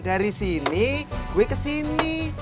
dari sini gue kesini